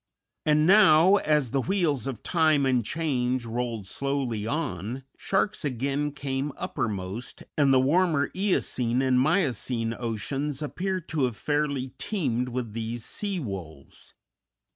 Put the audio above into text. And now, as the wheels of time and change rolled slowly on, sharks again came uppermost, and the warmer Eocene and Miocene oceans appear to have fairly teemed with these sea wolves.